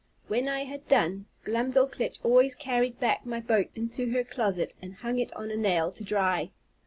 When I had done, Glumdalclitch always carried back my boat into her closet, and hung it on a nail to dry.